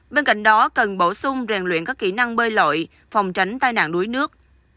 bên cạnh đó cần bổ sung rèn luyện các kỹ năng bơi lội phòng tránh tai nạn đuối nước